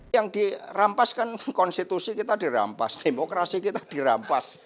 yang dirampaskan konstitusi kita dirampas demokrasi kita dirampas